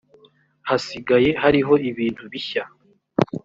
hasigaye hariho ibintu bishya.